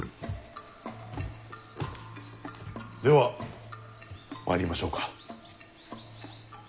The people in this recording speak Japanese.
では参りましょうか。